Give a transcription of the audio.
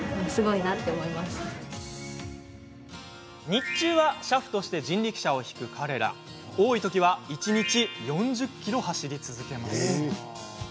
日中は俥夫として人力車を引く彼ら多いときは一日４０ｋｍ走り続けます。